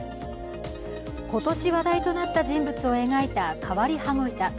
今年話題となった人物を描いた変わり羽子板。